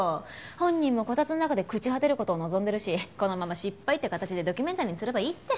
本人もこたつの中で朽ち果てる事を望んでるしこのまま失敗って形でドキュメンタリーにすればいいって。